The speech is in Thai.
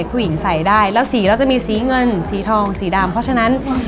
ผู้หญิงใส่ได้แล้วสีเราจะมีสีเงินสีทองสีดำเพราะฉะนั้น